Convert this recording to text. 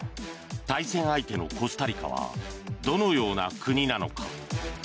対戦相手のコスタリカはどのような国なのか。